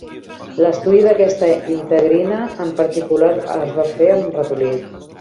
L'estudi d'aquesta integrina en particular es va fer amb ratolins.